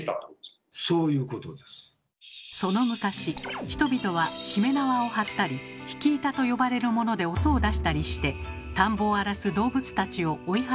その昔人々はしめ縄を張ったり引板と呼ばれるもので音を出したりして田んぼを荒らす動物たちを追い払っていました。